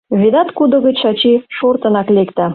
Ведат кудо гыч Чачи шортынак лекте.